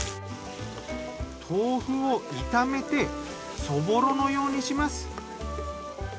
豆腐を炒めてそぼろのようにします。